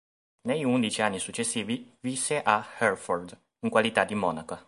Negli undici anni successivi, visse ad Herford, in qualità di monaca.